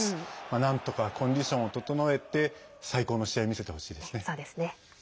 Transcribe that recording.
なんとかコンディションを整えて最高の試合、見せてほしいですね。